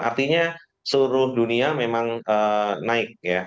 artinya seluruh dunia memang naik ya